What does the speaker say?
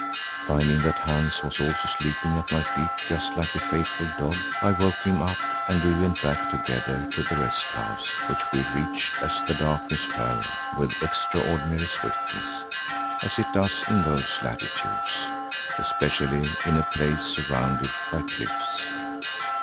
Finding that Hans was also sleeping at my feet just like a faithful dog, I woke him up and we went back together to the rest house, which we reached as the darkness fell with extraordinary swiftness, as it does in those latitudes, especially in a place surrounded by cliffs.